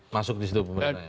masuk di situ pemerintah ya